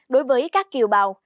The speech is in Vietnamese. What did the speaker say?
đối với các kiều bào